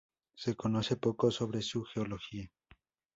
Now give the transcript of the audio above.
Se conoce poco sobre su geología.